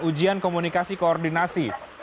ujian komunikasi koordinasi